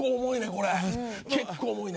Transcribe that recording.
これ結構重いね